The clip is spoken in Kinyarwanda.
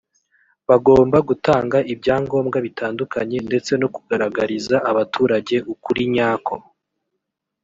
bagomba gutanga ibyangombwa bitandukanye ndetse no kugaragariza abaturage ukurinyako.